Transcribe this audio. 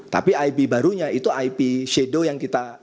tapi ip barunya itu ip shadow yang kita